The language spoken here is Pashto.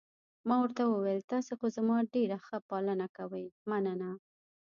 ما ورته وویل: تاسي خو زما ډېره ښه پالنه کوئ، مننه.